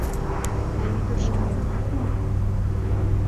А ӱдыржым муынат мо?